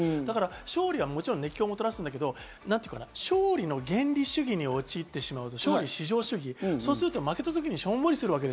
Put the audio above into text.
勝利はもちろん熱狂をもたらすけど、勝利の原理主義に陥ってしまう、勝利至上主義になると、負けた時しょんぼりする。